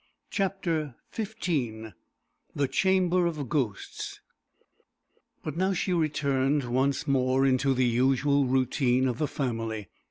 CHAPTER XV The Chamber of Ghosts. But now she returned once more into the usual routine of the family.